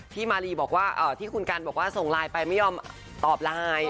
ที่คุณกันบอกว่าส่งไลน์ไปไม่ยอมตอบไลน์